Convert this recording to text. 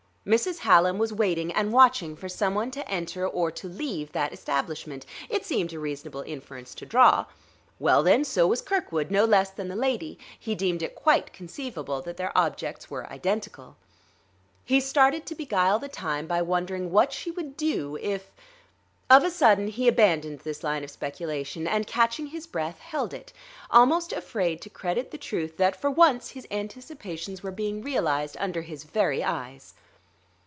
Mrs. Hallam was waiting and watching for some one to enter or to leave that establishment. It seemed a reasonable inference to draw. Well, then, so was Kirkwood, no less than the lady; he deemed it quite conceivable that their objects were identical. He started to beguile the time by wondering what she would do, if... Of a sudden he abandoned this line of speculation, and catching his breath, held it, almost afraid to credit the truth that for once his anticipations were being realized under his very eyes.